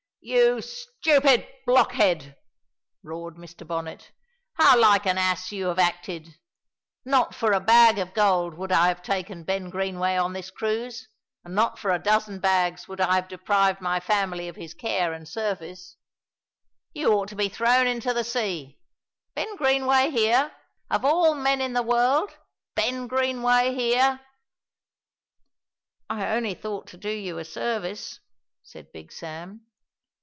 "You stupid blockhead!" roared Mr. Bonnet, "how like an ass you have acted! Not for a bag of gold would I have taken Ben Greenway on this cruise; and not for a dozen bags would I have deprived my family of his care and service. You ought to be thrown into the sea! Ben Greenway here! Of all men in the world, Ben Greenway here!" "I only thought to do you a service," said Big Sam.